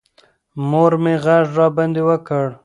مور مې غږ راباندې وکړ.